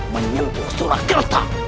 menyembuh surat kerta